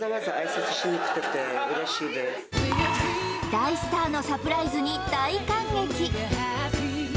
大スターのサプライズに大感激